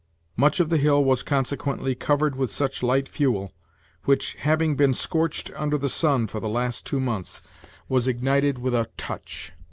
Much of the hill was, consequently, covered with such light fuel, which, having been scorched under the sun for the last two months, was ignited with a touch.